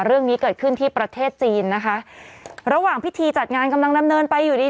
เรื่องนี้เกิดขึ้นที่ประเทศจีนนะคะระหว่างพิธีจัดงานกำลังดำเนินไปอยู่ดี